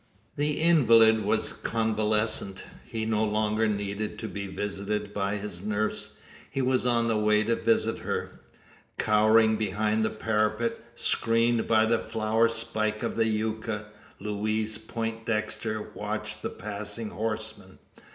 The invalid was convalescent. He no longer needed to be visited by his nurse. He was on the way to visit her! Cowering behind the parapet screened by the flower spike of the yucca Louise Poindexter watched the passing horseman.